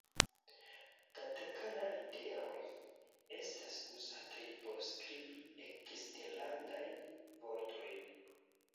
Katakana-literoj estas uzataj por skribi eksterlandajn vortojn.